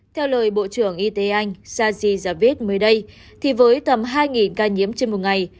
theo lời bộ trưởng y tế anh sajid javid mới đây với tầm hai ca nhiễm trên một ngày